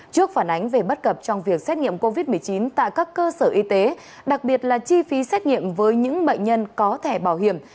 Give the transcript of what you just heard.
trước phản ánh về bất cập trong việc xét nghiệm covid một mươi chín tại các cơ sở y tế đặc biệt là chi phí xét nghiệm với những bệnh nhân có thẻ bảo hiểm